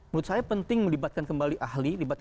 menurut saya penting melibatkan kembali ahli